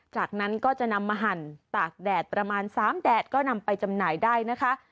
จากนั้นก็จะนำมาหั่นตากแดดประมาณ๓แดดก็นำไปจำหน่ายได้นะคะ